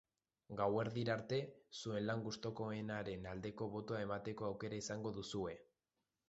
Gauerdira arte, zuen lan gustukoenaren aldeko botoa emateko aukera izango duzue.